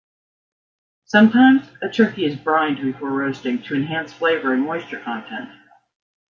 Sometimes, a turkey is brined before roasting to enhance flavor and moisture content.